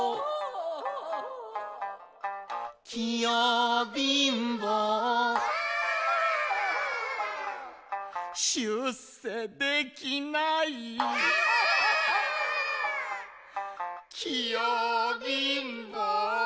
「器用貧乏」「しゅっせできない」「きよびんぼ」